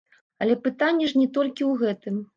Але пытанне ж не толькі ў гэтым.